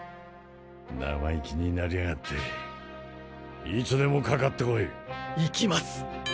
生意気になりやがっていつでもかかってこいいきます！